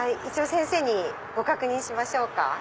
一応先生にご確認しましょうか？